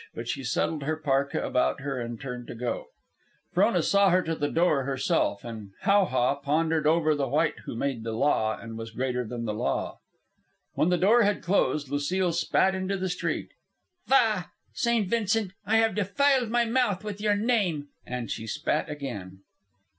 But she settled her parka about her and turned to go. Frona saw her to the door herself, and How ha pondered over the white who made the law and was greater than the law. When the door had closed, Lucile spat into the street. "Faugh! St. Vincent! I have defiled my mouth with your name!" And she spat again.